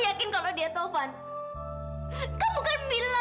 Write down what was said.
kamu kan bilang dia udah hancur